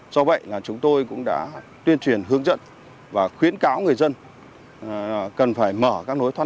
do vậy là chúng tôi cũng đã tuyên truyền hướng dẫn và khuyến cáo người dân cần phải mở các lối thoát